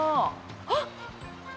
あっ！